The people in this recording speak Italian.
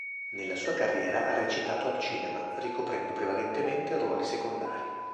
Nella sua carriera ha recitato al cinema, ricoprendo prevalentemente ruoli secondari.